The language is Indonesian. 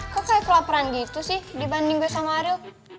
kok kayak kelaperan gitu sih dibanding gue sama ariel